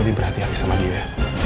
lebih berhati hati sama dia